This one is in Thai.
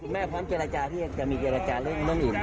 คุณแม่ข้อมูลเจรจาที่จะมีเจรจาเรื่องนั่นอื่น